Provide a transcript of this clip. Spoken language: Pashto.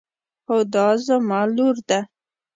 هُدا زما لور ده.